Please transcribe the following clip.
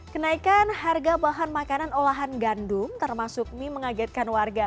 kenaikan harga bahan makanan olahan gandum termasuk mie mengagetkan warga